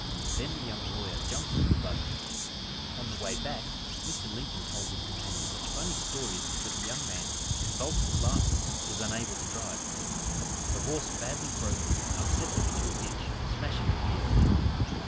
Then the young lawyer jumped into the buggy. On the way back Mr. Lincoln told his companion such funny stories that the young man, convulsed with laughter, was unable to drive. The horse, badly broken, upset them into a ditch, smashing the vehicle.